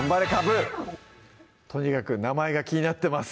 とにかく名前が気になってます